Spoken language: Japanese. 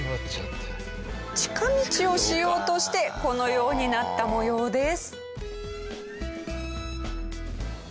近道をしようとしてこのようになった模様です。